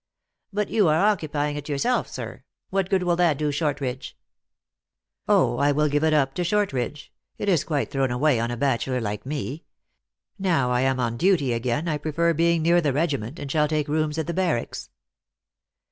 "But you are occupying it yourself, sir. What good will that do, Shortridge ?"" Oh, I will give it up to Shortridge. It is quite thrown away on a bachelor like me. Now i am on duty again, I prefer being near the regiment, and shall take rooms at the barracks."